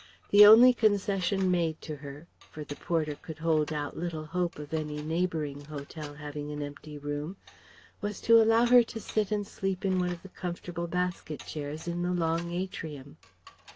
The only concession made to her for the porter could hold out little hope of any neighbouring hotel having an empty room was to allow her to sit and sleep in one of the comfortable basket chairs in the long atrium.